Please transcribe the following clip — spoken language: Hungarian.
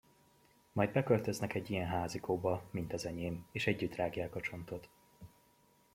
Majd beköltöznek egy ilyen házikóba, mint az enyém, és együtt rágják a csontot.